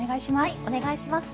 お願いします。